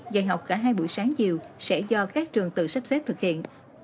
dạy học cả hai buổi sáng chiều sẽ do các trường tự sắp xếp thực hiện